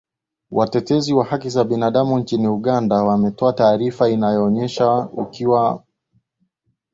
watetezi wa haki za binadamu nchini uganda wametoa taarifa inaonyesha ukiukwaji mkubwa